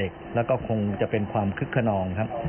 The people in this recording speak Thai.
คงจะเป็นความคึกขนองครับ